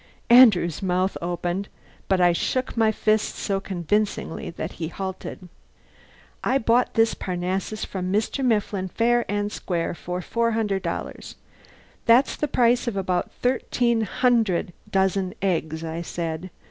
Andrew's mouth opened, but I shook my fist so convincingly that he halted. "I bought this Parnassus from Mr. Mifflin fair and square for four hundred dollars. That's the price of about thirteen hundred dozen eggs," I said.